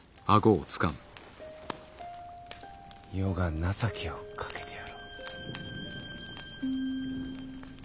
余が情けをかけてやろう。